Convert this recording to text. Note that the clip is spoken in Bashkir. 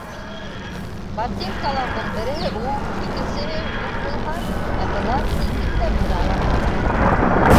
Ботинкаларҙың береһе уң, икенсеһе һул булһа, ә былар икеһе лә бер аяҡтыҡы.